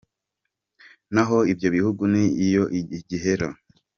Naho ibyo bihugu ni iyo gihera